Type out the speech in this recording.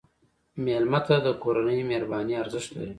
مېلمه ته د کورنۍ مهرباني ارزښت لري.